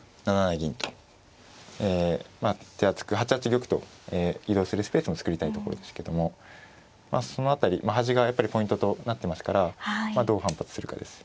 手厚く８八玉と移動するスペースを作りたいところですけどもその辺り端がやっぱりポイントとなってますからどう反発するかです。